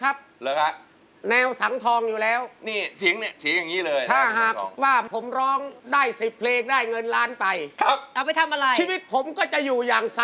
รู้ประวัติคุณหมดแล้วนะครับชีวิตโอ้โฮผ่านมา